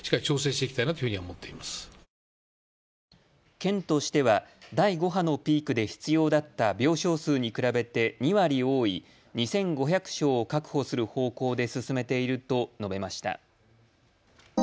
県としては第５波のピークで必要だった病床数に比べて２割多い２５００床を確保する方向で進めていると述べました。